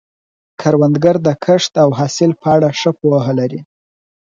کروندګر د کښت او حاصل په اړه ښه پوهه لري